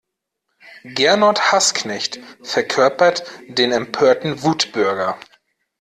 Gernot Hassknecht verkörpert den empörten Wutbürger.